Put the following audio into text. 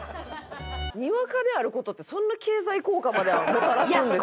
ニワカである事ってそんな経済効果までもたらすんですか？